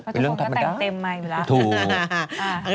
ทุกคนก็แต่งเต็มไมค์เวลาถูก